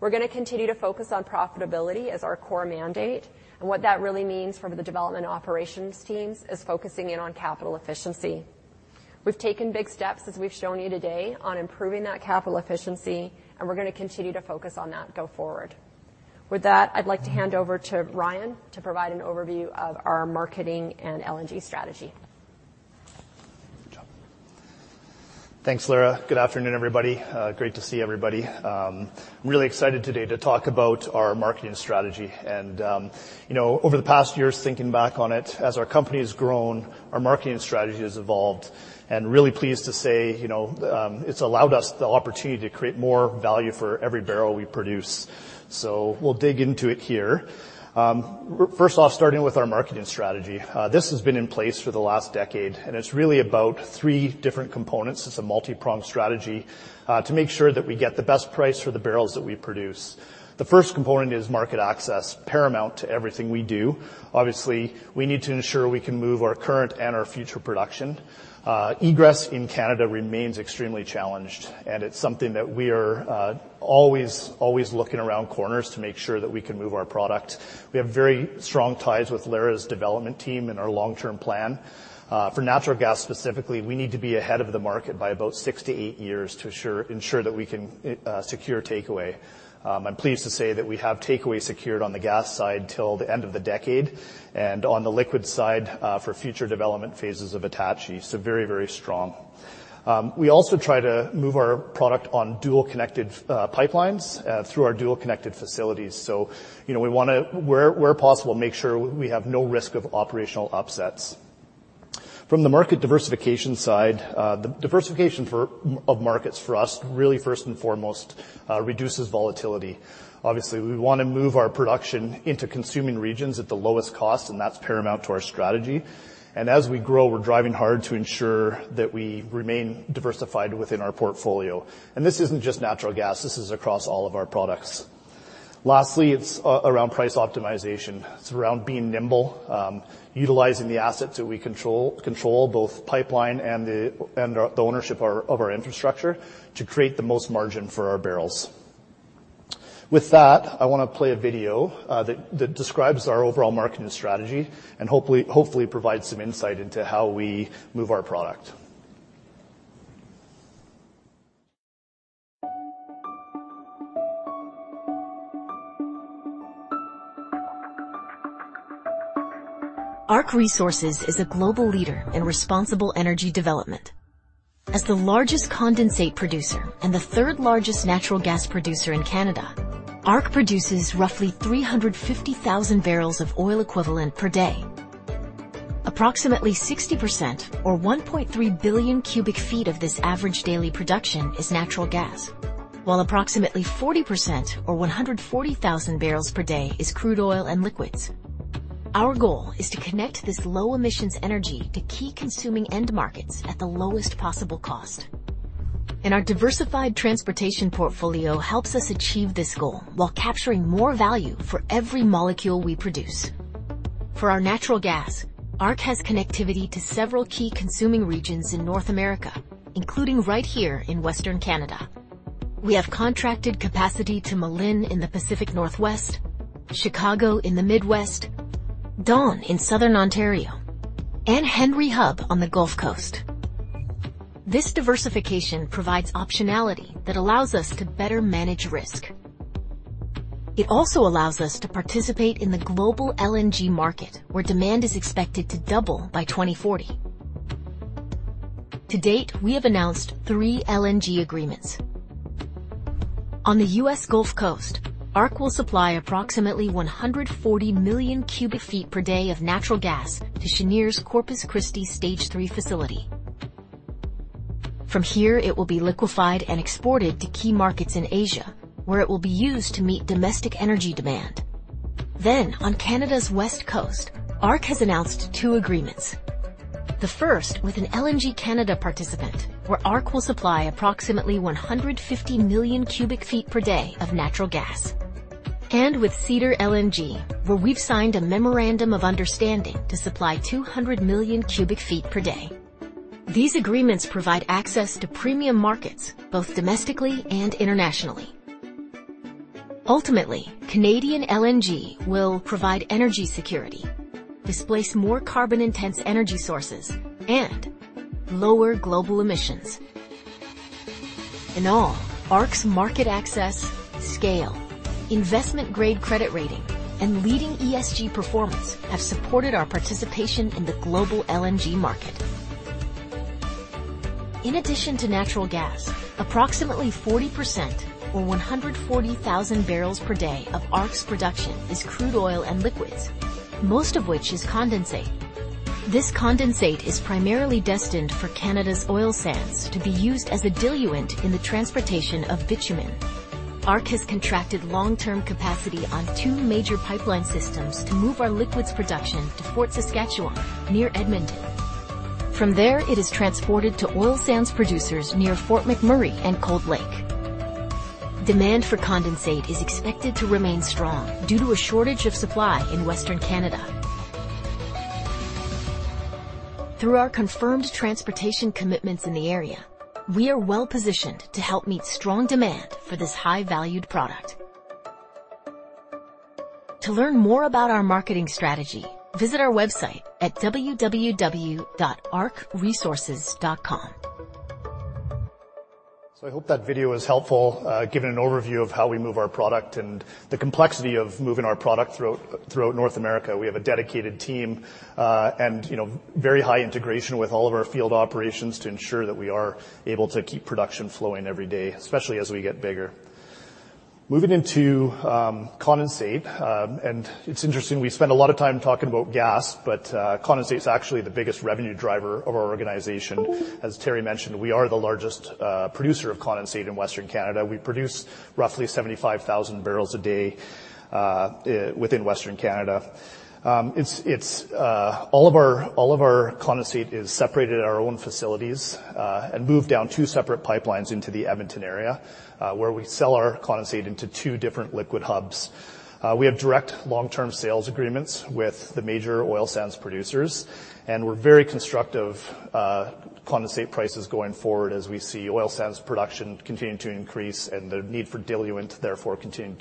We're gonna continue to focus on profitability as our core mandate, and what that really means for the development operations teams is focusing in on capital efficiency. We've taken big steps, as we've shown you today, on improving that capital efficiency, and we're gonna continue to focus on that go forward. With that, I'd like to hand over to Ryan to provide an overview of our marketing and LNG strategy. Thanks, Lara. Good afternoon, everybody. Great to see everybody. Really excited today to talk about our marketing strategy. You know, over the past years, thinking back on it, as our company has grown, our marketing strategy has evolved. Really pleased to say, you know, it's allowed us the opportunity to create more value for every barrel we produce. We'll dig into it here. First off, starting with our marketing strategy. This has been in place for the last decade, and it's really about three different components. It's a multipronged strategy to make sure that we get the best price for the barrels that we produce. The first component is market access, paramount to everything we do. Obviously, we need to ensure we can move our current and our future production. Egress in Canada remains extremely challenged, and it's something that we are always looking around corners to make sure that we can move our product. We have very strong ties with Lara's development team and our long-term plan. For natural gas, specifically, we need to be ahead of the market by about six-eight years to ensure that we can secure takeaway. I'm pleased to say that we have takeaway secured on the gas side till the end of the decade, and on the liquid side, for future development phases of Attachie, so very, very strong. We also try to move our product on dual connected pipelines through our dual connected facilities. You know, we wanna, where possible, make sure we have no risk of operational upsets. From the market diversification side, the diversification of markets for us, really, first and foremost, reduces volatility. Obviously, we wanna move our production into consuming regions at the lowest cost, and that's paramount to our strategy. As we grow, we're driving hard to ensure that we remain diversified within our portfolio. This isn't just natural gas. This is across all of our products. Lastly, it's around price optimization. It's around being nimble, utilizing the assets that we control, both pipeline and the ownership of our infrastructure, to create the most margin for our barrels. With that, I wanna play a video that describes our overall marketing strategy and hopefully provides some insight into how we move our product. ARC Resources is a global leader in responsible energy development. As the largest condensate producer and the third-largest natural gas producer in Canada, ARC produces roughly 350,000 barrels of oil equivalent per day. Approximately 60% or 1.3 billion cubic feet of this average daily production is natural gas, while approximately 40% or 140,000 barrels per day is crude oil and liquids. Our goal is to connect this low-emissions energy to key consuming end markets at the lowest possible cost. Our diversified transportation portfolio helps us achieve this goal while capturing more value for every molecule we produce. For our natural gas, ARC has connectivity to several key consuming regions in North America, including right here in Western Canada. We have contracted capacity to Malin in the Pacific Northwest, Chicago in the Midwest, Dawn in Southern Ontario, and Henry Hub on the Gulf Coast. This diversification provides optionality that allows us to better manage risk. It also allows us to participate in the global LNG market, where demand is expected to double by 2040. To date, we have announced three LNG agreements. On the U.S. Gulf Coast, ARC will supply approximately 140 million cubic feet per day of natural gas to Cheniere's Corpus Christi Stage III facility. From here, it will be liquefied and exported to key markets in Asia, where it will be used to meet domestic energy demand. On Canada's West Coast, ARC has announced two agreements. The first, with an LNG Canada participant, where ARC will supply approximately 150 million cubic feet per day of natural gas, and with Cedar LNG, where we've signed a memorandum of understanding to supply 200 million cubic feet per day. These agreements provide access to premium markets, both domestically and internationally. Ultimately, Canadian LNG will provide energy security, displace more carbon-intense energy sources, and lower global emissions. In all, ARC's market access, scale, investment-grade credit rating, and leading ESG performance have supported our participation in the global LNG market. In addition to natural gas, approximately 40% or 140,000 barrels per day of ARC's production is crude oil and liquids, most of which is condensate. This condensate is primarily destined for Canada's oil sands to be used as a diluent in the transportation of bitumen. ARC has contracted long-term capacity on two major pipeline systems to move our liquids production to Fort Saskatchewan, near Edmonton. From there, it is transported to oil sands producers near Fort McMurray and Cold Lake. Demand for condensate is expected to remain strong due to a shortage of supply in Western Canada. Through our confirmed transportation commitments in the area, we are well positioned to help meet strong demand for this high-valued product. To learn more about our marketing strategy, visit our website at www.arcresources.com. I hope that video was helpful, giving an overview of how we move our product and the complexity of moving our product throughout North America. We have a dedicated team, and, you know, very high integration with all of our field operations to ensure that we are able to keep production flowing every day, especially as we get bigger. Moving into condensate, it's interesting, we spend a lot of time talking about gas, but condensate is actually the biggest revenue driver of our organization. As Terry mentioned, we are the largest producer of condensate in Western Canada. We produce roughly 75,000 barrels a day within Western Canada. It's all of our condensate is separated at our own facilities and moved down two separate pipelines into the Edmonton area, where we sell our condensate into two different liquid hubs. We have direct long-term sales agreements with the major oil sands producers, and we're very constructive condensate prices going forward as we see oil sands production continuing to increase and the need for diluent, therefore, continuing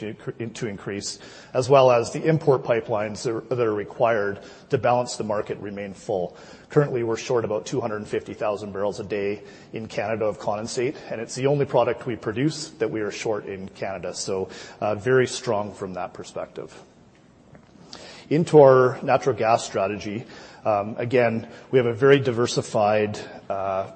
to increase, as well as the import pipelines that are required to balance the market remain full. Currently, we're short about 250,000 barrels a day in Canada of condensate, and it's the only product we produce that we are short in Canada. Very strong from that perspective. Into our natural gas strategy. Again, we have a very diversified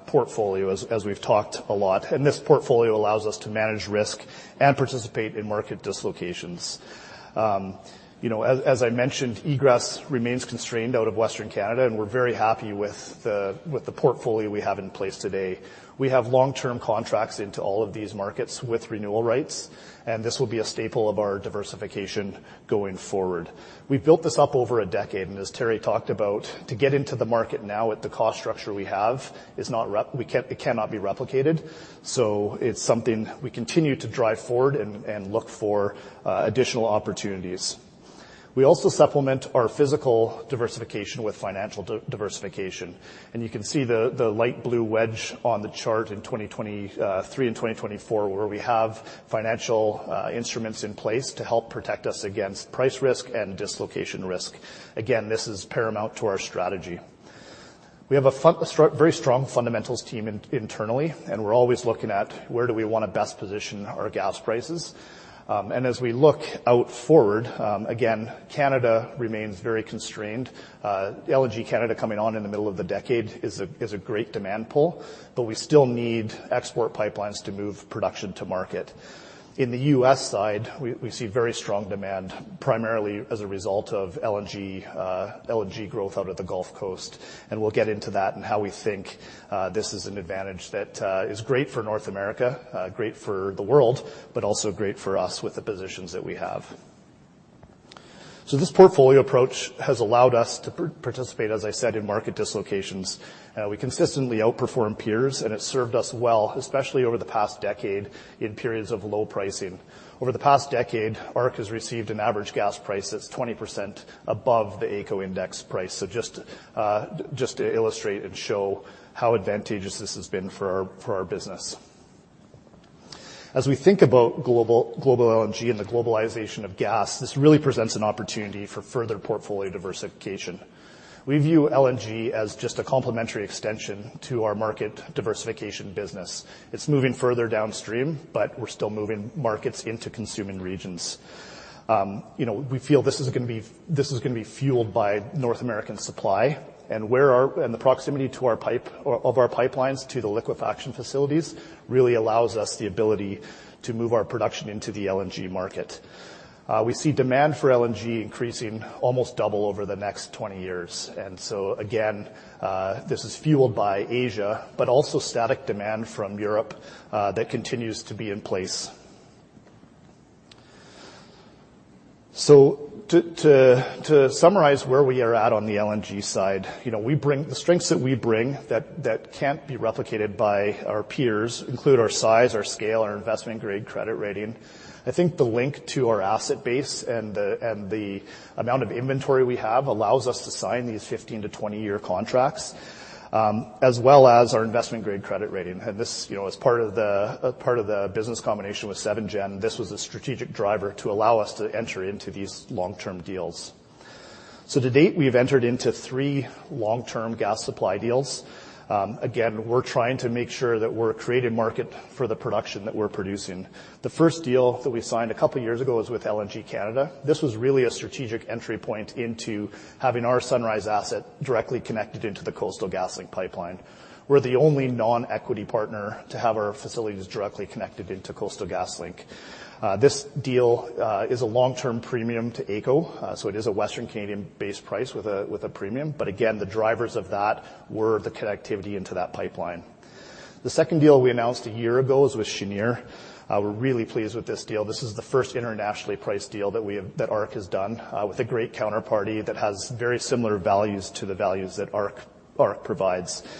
portfolio as we've talked a lot, this portfolio allows us to manage risk and participate in market dislocations. you know, as I mentioned, egress remains constrained out of Western Canada, we're very happy with the portfolio we have in place today. We have long-term contracts into all of these markets with renewal rights, this will be a staple of our diversification going forward. We've built this up over a decade, as Terry talked about, to get into the market now with the cost structure we have is not it cannot be replicated. It's something we continue to drive forward and look for, additional opportunities. We also supplement our physical diversification with financial diversification. You can see the light blue wedge on the chart in 2023 and 2024, where we have financial instruments in place to help protect us against price risk and dislocation risk. Again, this is paramount to our strategy. We have a fun, strong, very strong fundamentals team internally, and we're always looking at where do we want to best position our gas prices. As we look out forward, again, Canada remains very constrained. LNG Canada, coming on in the middle of the decade is a great demand pull, but we still need export pipelines to move production to market. In the U.S. side, we see very strong demand, primarily as a result of LNG growth out of the Gulf Coast, and we'll get into that and how we think this is an advantage that is great for North America, great for the world, but also great for us with the positions that we have. This portfolio approach has allowed us to participate, as I said, in market dislocations. We consistently outperform peers, and it served us well, especially over the past decade, in periods of low pricing. Over the past decade, ARC has received an average gas price that's 20% above the AECO index price. Just to illustrate and show how advantageous this has been for our business. As we think about global LNG and the globalization of gas, this really presents an opportunity for further portfolio diversification. We view LNG as just a complementary extension to our market diversification business. It's moving further downstream, but we're still moving markets into consuming regions. You know, we feel this is gonna be fueled by North American supply and the proximity to our pipe or of our pipelines to the liquefaction facilities, really allows us the ability to move our production into the LNG market. We see demand for LNG increasing almost double over the next 20 years. Again, this is fueled by Asia, but also static demand from Europe, that continues to be in place. To summarize where we are at on the LNG side, you know, the strengths that we bring that can't be replicated by our peers, include our size, our scale, our investment-grade credit rating. I think the link to our asset base and the, and the amount of inventory we have allows us to sign these 15-20-year contracts, as well as our investment-grade credit rating. This, you know, as part of the business combination with Seven Generations Energy, this was a strategic driver to allow us to enter into these long-term deals. To date, we've entered into three long-term gas supply deals. Again, we're trying to make sure that we're creating market for the production that we're producing. The first deal that we signed a couple of years ago was with LNG Canada. This was really a strategic entry point into having our Sunrise asset directly connected into the Coastal GasLink pipeline. We're the only non-equity partner to have our facilities directly connected into Coastal GasLink. This deal is a long-term premium to AECO, so it is a Western Canadian-based price with a premium. Again, the drivers of that were the connectivity into that pipeline. The second deal we announced a year ago is with Cheniere. We're really pleased with this deal. This is the first internationally priced deal that ARC has done with a great counterparty that has very similar values to the values that ARC provides. This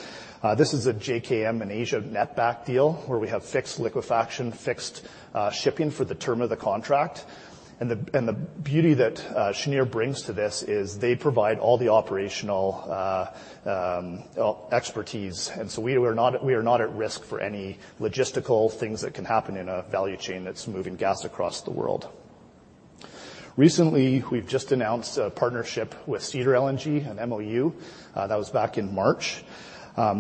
is a JKM and Asia netback deal, where we have fixed liquefaction, fixed shipping for the term of the contract. The beauty that Cheniere brings to this is they provide all the operational expertise. So we are not at risk for any logistical things that can happen in a value chain that's moving gas across the world. Recently, we've just announced a partnership with Cedar LNG, an MOU, that was back in March.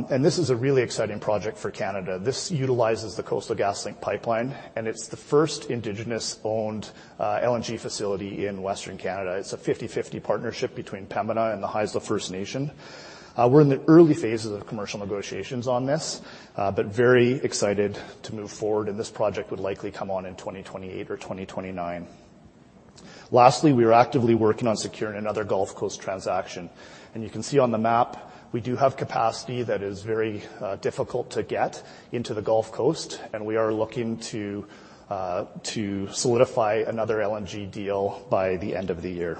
This is a really exciting project for Canada. This utilizes the Coastal GasLink pipeline, and it's the first indigenous-owned LNG facility in Western Canada. It's a 50/50 partnership between Pembina and the Haisla First Nation. We're in the early phases of commercial negotiations on this, but very excited to move forward, and this project would likely come on in 2028 or 2029. Lastly, we are actively working on securing another Gulf Coast transaction, and you can see on the map, we do have capacity that is very difficult to get into the Gulf Coast, and we are looking to solidify another LNG deal by the end of the year.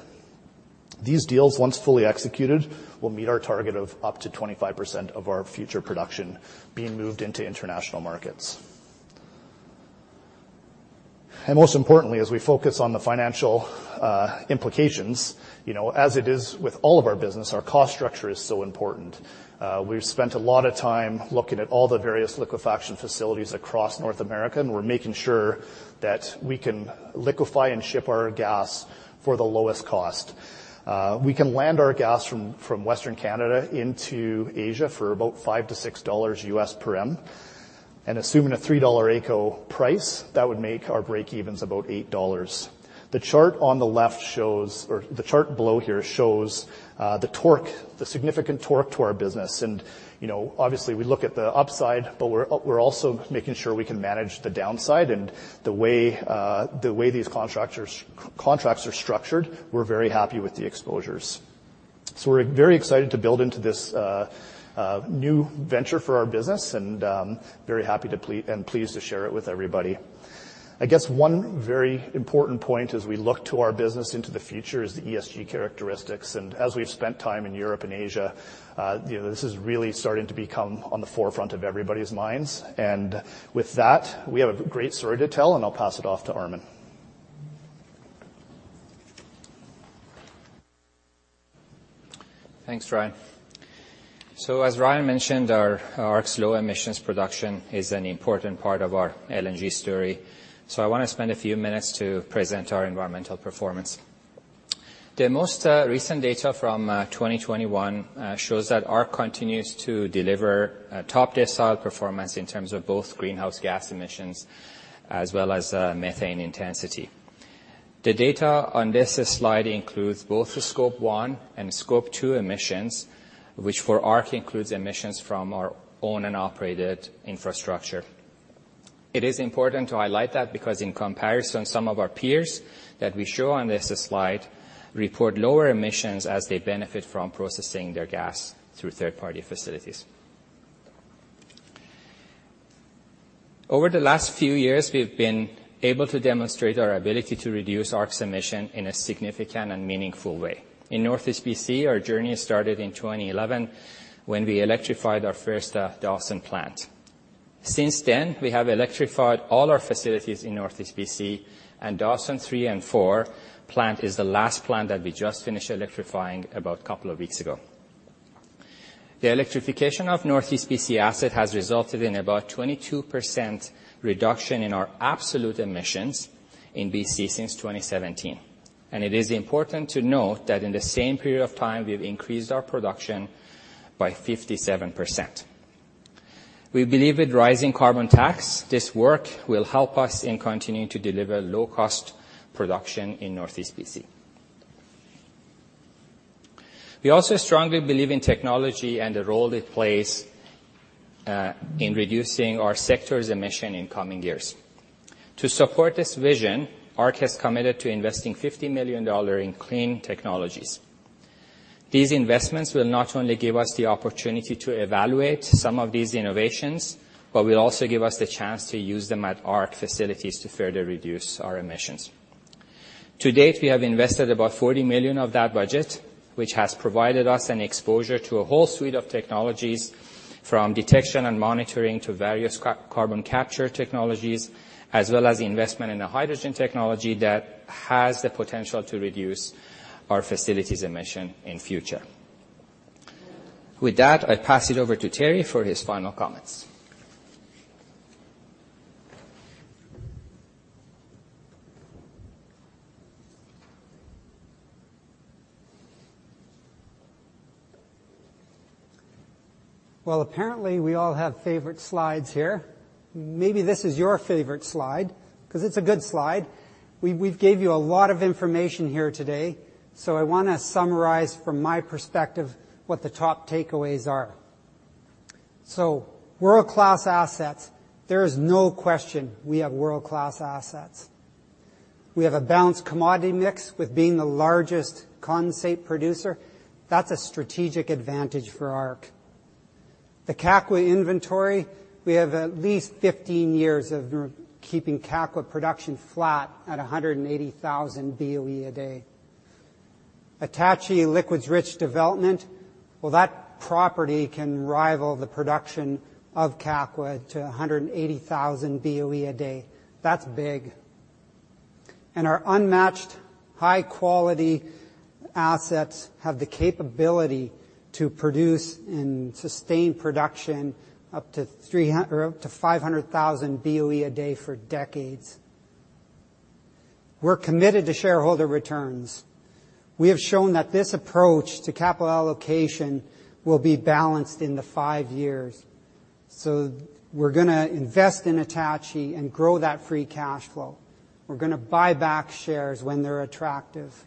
These deals, once fully executed, will meet our target of up to 25% of our future production being moved into international markets. Most importantly, as we focus on the financial implications, you know, as it is with all of our business, our cost structure is so important. We've spent a lot of time looking at all the various liquefaction facilities across North America, and we're making sure that we can liquefy and ship our gas for the lowest cost. We can land our gas from Western Canada into Asia for about $5-$6 USD per MMBtu. Assuming a $3 AECO price, that would make our breakevens about $8. The chart below here shows the significant torque to our business. You know, obviously, we look at the upside, but we're also making sure we can manage the downside and the way these contracts are structured, we're very happy with the exposures. We're very excited to build into this new venture for our business, and very happy and pleased to share it with everybody. I guess one very important point as we look to our business into the future is the ESG characteristics. As we've spent time in Europe and Asia, you know, this is really starting to become on the forefront of everybody's minds. With that, we have a great story to tell, and I'll pass it off to Armin. Thanks, Ryan. As Ryan mentioned, our ARC's low emissions production is an important part of our LNG story. I want to spend a few minutes to present our environmental performance. The most recent data from 2021 shows that ARC continues to deliver a top decile performance in terms of both greenhouse gas emissions as well as methane intensity. The data on this slide includes both the Scope one and Scope two emissions, which for ARC includes emissions from our own and operated infrastructure. It is important to highlight that because in comparison, some of our peers that we show on this slide report lower emissions as they benefit from processing their gas through third-party facilities. Over the last few years, we've been able to demonstrate our ability to reduce ARC's emission in a significant and meaningful way. In Northeast BC, our journey started in 2011 when we electrified our first Dawson plant. Since then, we have electrified all our facilities in Northeast BC. Dawson III and Four plant is the last plant that we just finished electrifying about a couple of weeks ago. The electrification of Northeast BC asset has resulted in about 22% reduction in our absolute emissions in BC since 2017. It is important to note that in the same period of time, we've increased our production by 57%. We believe with rising carbon tax, this work will help us in continuing to deliver low-cost production in Northeast BC. We also strongly believe in technology and the role it plays in reducing our sector's emission in coming years. To support this vision, ARC has committed to investing 50 million dollars in clean technologies. These investments will not only give us the opportunity to evaluate some of these innovations, but will also give us the chance to use them at ARC facilities to further reduce our emissions. To date, we have invested about 40 million of that budget, which has provided us an exposure to a whole suite of technologies, from detection and monitoring to various carbon capture technologies, as well as investment in a hydrogen technology that has the potential to reduce our facilities emission in future. With that, I pass it over to Terry for his final comments. Well, apparently, we all have favorite slides here. Maybe this is your favorite slide, because it's a good slide. We've gave you a lot of information here today, so I want to summarize from my perspective, what the top takeaways are. World-class assets, there is no question we have world-class assets. We have a balanced commodity mix with being the largest condensate producer. That's a strategic advantage for ARC. The Kakwa inventory, we have at least 15 years of keeping Kakwa production flat at 180,000 BOE a day. Attachie liquids rich development, well, that property can rival the production of Kakwa to 180,000 BOE a day. That's big. Our unmatched high quality- assets have the capability to produce and sustain production up to 500,000 BOE a day for decades. We're committed to shareholder returns. We have shown that this approach to capital allocation will be balanced in the five years. We're gonna invest in Attachie and grow that free cash flow. We're gonna buy back shares when they're attractive.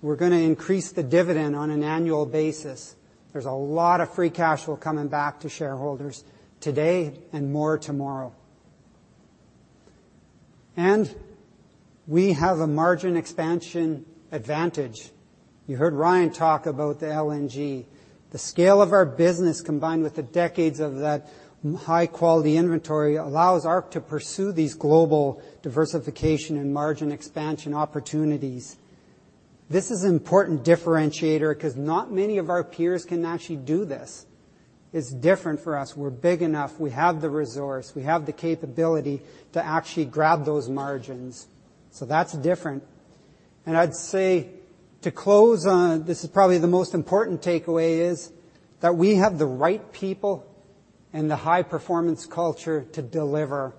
We're gonna increase the dividend on an annual basis. There's a lot of free cash flow coming back to shareholders today and more tomorrow. We have a margin expansion advantage. You heard Ryan talk about the LNG. The scale of our business, combined with the decades of that high-quality inventory, allows ARC to pursue these global diversification and margin expansion opportunities. This is an important differentiator 'cause not many of our peers can actually do this. It's different for us. We're big enough, we have the resource, we have the capability to actually grab those margins. That's different. I'd say to close on, this is probably the most important takeaway, is that we have the right people and the high-performance culture to deliver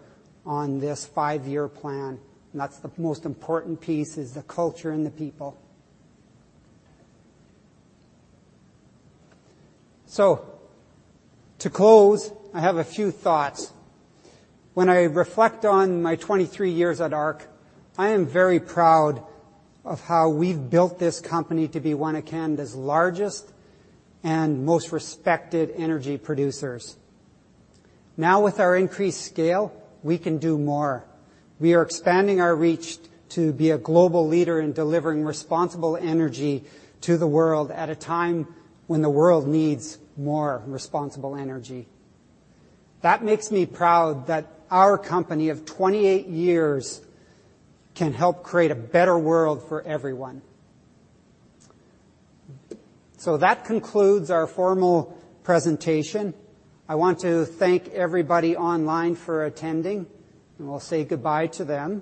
on this five-year plan. That's the most important piece is the culture and the people. To close, I have a few thoughts. When I reflect on my 23 years at ARC, I am very proud of how we've built this company to be one of Canada's largest and most respected energy producers. Now, with our increased scale, we can do more. We are expanding our reach to be a global leader in delivering responsible energy to the world at a time when the world needs more responsible energy. That makes me proud that our company of 28 years can help create a better world for everyone. That concludes our formal presentation. I want to thank everybody online for attending, and we'll say goodbye to them.